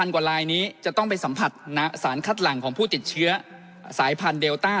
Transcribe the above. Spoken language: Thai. กว่าลายนี้จะต้องไปสัมผัสสารคัดหลังของผู้ติดเชื้อสายพันธุเดลต้า